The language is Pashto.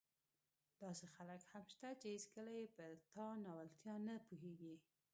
داسې خلک هم شته چې هېڅکله يې په ناولتیا نه پوهېږي.